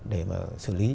để mà xử lý